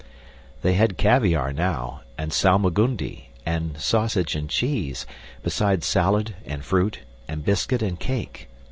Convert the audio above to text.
They had caviar now, and salmagundi, and sausage and cheese, besides salad and fruit and biscuit and cake.